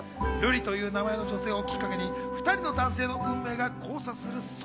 瑠璃という名前の女性をきっかけに２人の男性の運命が交差する壮